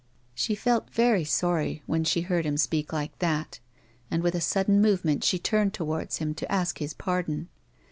She felt very sorry when she heard him speak like that, and with a sudden movement she turned towards him to ask his pardon.